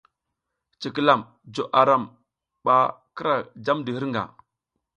Cikilam jo aram ɓa kira jamdi hirnga.